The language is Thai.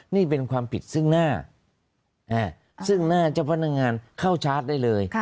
นี่เป็นความผิดซึ่งหน้าซึ่งหน้าเจ้าพนักงานเข้าชาร์จได้เลย